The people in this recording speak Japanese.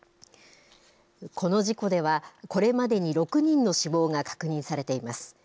この事故では、これまでに６人の死亡が確認されています。